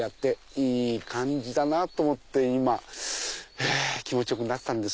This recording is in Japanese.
いい感じだなと思って今気持ちよくなってたんです。